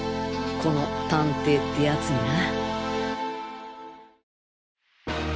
この「探偵」ってヤツにな